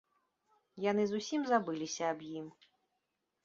Яны зусім забыліся аб ім.